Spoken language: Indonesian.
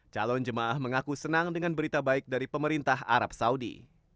calon jemaah mengaku senang dengan berita baik dari pemerintah arab saudi